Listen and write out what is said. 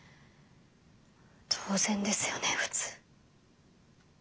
当然ですよね普通。